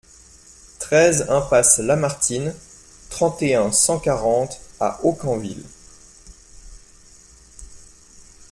treize iMPASSE LAMARTINE, trente et un, cent quarante à Aucamville